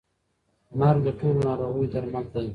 مرګ د ټولو ناروغیو درمل دی.